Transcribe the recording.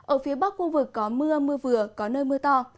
ở phía bắc khu vực có mưa mưa vừa có nơi mưa to